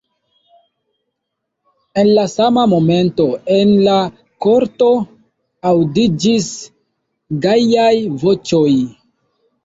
En la sama momento en la korto aŭdiĝis gajaj voĉoj.